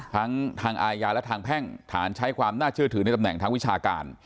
ทั้งทางอาญาและทางแพ่งฐานใช้ความน่าเชื่อถือในตำแหน่งทางวิชาการ